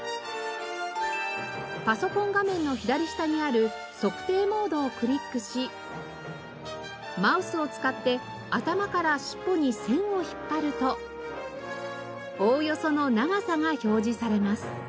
パソコン画面の左下にある「測定モード」をクリックしマウスを使って頭から尻尾に線を引っ張るとおおよその長さが表示されます。